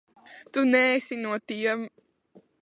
Tu neesi no tiem.